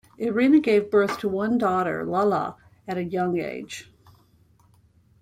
Irina gave birth to one daughter, Lala, at a young age.